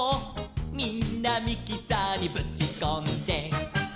「みんなミキサーにぶちこんで」